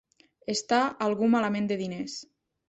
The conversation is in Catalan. Estar algú malament de diners.